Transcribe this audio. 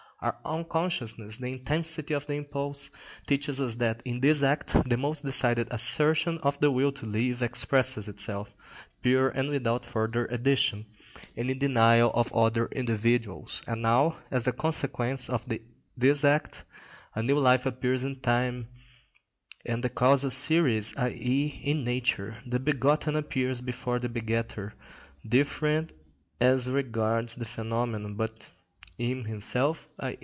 Our own consciousness, the intensity of the impulse, teaches us that in this act the most decided assertion of the will to live expresses itself, pure and without further addition (any denial of other individuals); and now, as the consequence of this act, a new life appears in time and the causal series, i.e., in nature; the begotten appears before the begetter, different as regards the phenomenon, but in himself, _i.